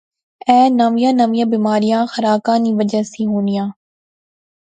اے نویاں نویاں بیماریاں خراکا نی وجہ سی ہونیاں